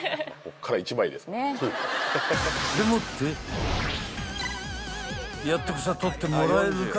［でもってやっとこさ撮ってもらえるか］